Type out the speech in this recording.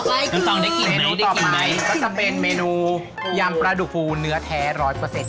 เมนูต่อไปคือเมนูต่อไปก็จะเป็นเมนูยำปลาดูฟูเนื้อแท้ร้อยเปอร์เซ็นต์